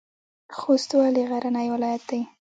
خوست ولې غرنی ولایت دی؟